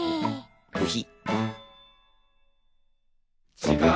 ブヒ。